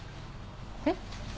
えっ？